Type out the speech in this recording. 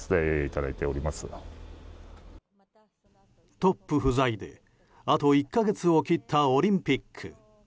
トップ不在で、あと１か月を切ったオリンピック。